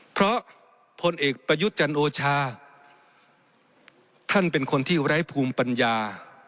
เพราะพลเอกประยุทธ์จันโอชาท่านเป็นคนที่ไร้ภูมิปัญญา